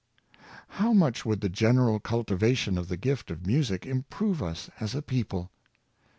How much would the general cultivation of the gift of music improve us as a people